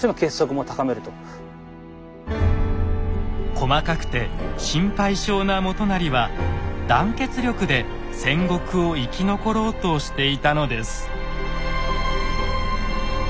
細かくて心配性な元就は団結力で戦国を生き残ろうとしていたのです。